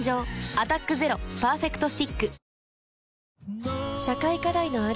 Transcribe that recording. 「アタックＺＥＲＯパーフェクトスティック」